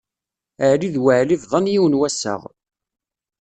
Ɛli d Weɛli bḍan yiwen wassaɣ.